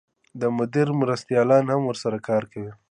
د مدیر مرستیالان هم ورسره کار کوي.